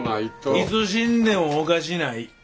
いつ死んでもおかしない。